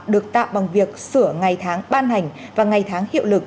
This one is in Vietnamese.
được tạm bằng việc sửa ngày tháng ban hành và ngày tháng hiệu lực